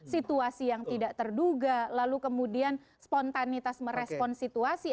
situasi yang tidak terduga lalu kemudian spontanitas merespon situasi